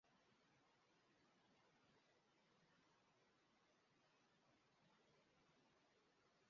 Os dois principais partidos espanhóis insistem em convocar em Bruxelas o chamado eixo central.